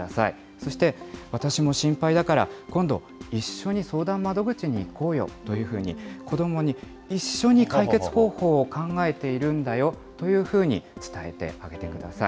そして、私も心配だから、今度一緒に相談窓口に行こうよというふうに、子どもに一緒に解決方法を考えているんだよというふうに伝えてあげてください。